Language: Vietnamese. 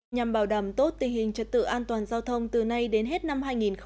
nhằm bảo đảm tốt tình hình trật tự an toàn giao thông từ nay đến hết năm hai nghìn hai mươi